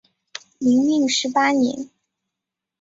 明命十八年。